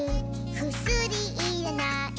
「くすりいらない」